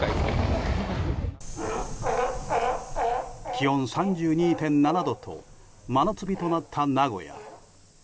気温３２．７度と真夏日となった名古屋。